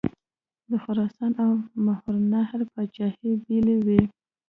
د خراسان او ماوراءالنهر پاچهي بېلې وې.